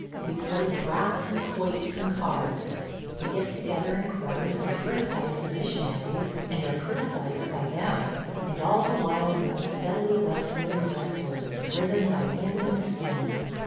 We play draughts and quoits and cards; we get together in corners and criticise the missionaries and are criticised by them – and all the while go steadily westward and westward, driven by wind and steam.